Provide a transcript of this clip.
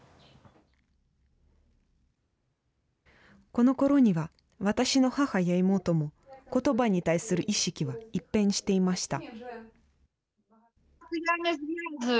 このころには、私の母や妹もことばに対する意識は一変していました。